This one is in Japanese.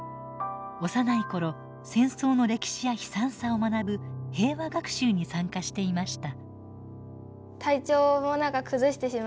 幼い頃戦争の歴史や悲惨さを学ぶ平和学習に参加していました。